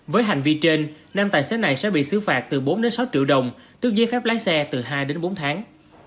với hành vi trên nam tài xế này sẽ bị xử phạt từ bốn sáu triệu đồng tức giấy phép lái xe từ hai bốn tháng